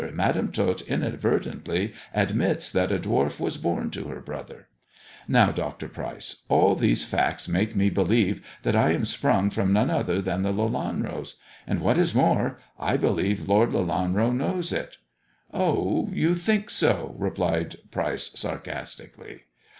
Madam Tot inadvertently admits that a dwarf was born to her brother. Now, Dr. Pryce, all these facts make me believe that I am sprung from none other than the Lelanros. And what is more, I believe Lord Lelanro knows it." " Oh, you think so !" replied Pryce sarcastically.